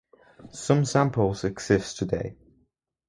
Some samples exist today.